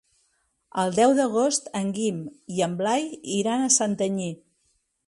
El deu d'agost en Guim i en Blai iran a Santanyí.